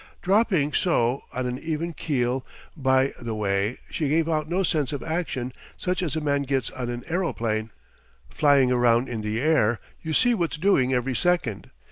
Dropping so on an even keel, by the way she gave out no sense of action such as a man gets on an aeroplane. Flying around in the air, you see what's doing every second.